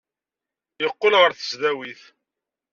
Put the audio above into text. Yeqqel ɣer tesdawit.